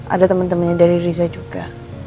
ada teman temannya dari riza juga